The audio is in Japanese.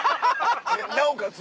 なおかつ